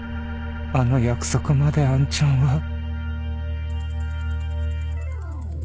あの約束まで杏ちゃんは